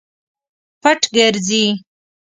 پټ ګرځي.